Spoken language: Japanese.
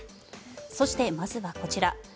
そして、まずはこちら。